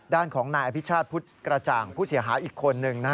ด้านของนายอภิชาติพุทธกระจ่างผู้เสียหายอีกคนนึง